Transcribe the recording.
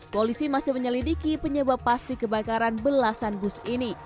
polisi masih menyelidiki penyebab pasti kebakaran belasan bus ini